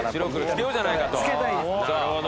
なるほど。